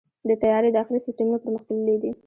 د طیارې داخلي سیستمونه پرمختللي دي.